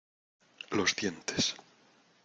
los dientes.